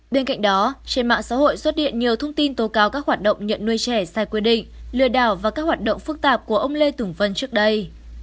bên cạnh đó trên mạng xã hội xuất hiện nhiều thông tin tố cáo các hoạt động nhận nuôi trẻ sai quy định lừa đảo và các hoạt động phức tạp của ông lê tùng vân trước đây